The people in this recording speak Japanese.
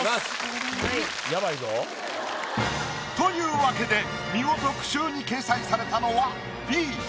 やばいぞ。というわけで見事句集に掲載されたのはＢ。